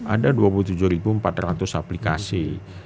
ada dua puluh tujuh empat ratus aplikasi